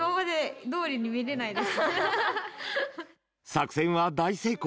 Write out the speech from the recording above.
作戦は大成功。